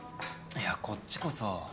いやこっちこそ。